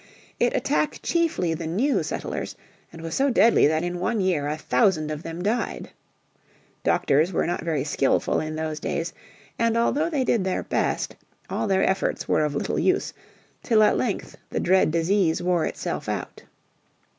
It attacked chiefly the new settlers, and was so deadly that in one year a thousand of them died. Doctors were not very skilful in those days, and although they did their best, all their efforts were of little use, till at length the dread disease wore itself out.